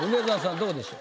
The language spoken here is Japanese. どうでしょう？